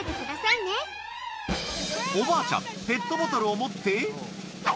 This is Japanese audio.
おばあちゃん、ペットボトルを持って。